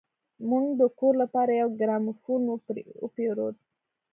موږ د کور لپاره يو ګرامافون وپېرود.